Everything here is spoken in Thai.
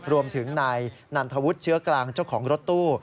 รวมถึงนายนันทวุฒิเชื้อกลางเจ้าของรถตู้